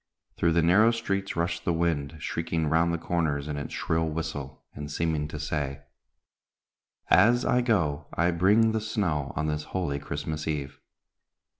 Through the narrow streets rushed the wind, shrieking round the comers in its shrill whistle, and seeming to say: "As I go, I bring the snow, On this holy Christmas Eve.